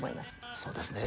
そうですね